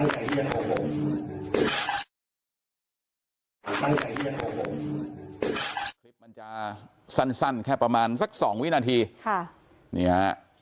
คลิปมันจะสั้นแค่ประมาณสัก๒วินาที